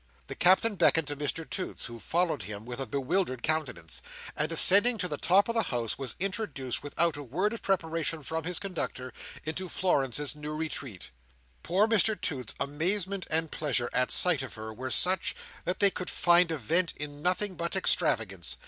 The Captain beckoned to Mr Toots, who followed him with a bewildered countenance, and, ascending to the top of the house, was introduced, without a word of preparation from his conductor, into Florence's new retreat. Poor Mr Toots's amazement and pleasure at sight of her were such, that they could find a vent in nothing but extravagance.